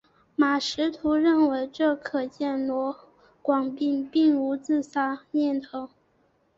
马识途认为这可见罗广斌并无自杀念头。